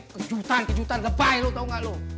kejutan kejutan lebay lo tau gak lo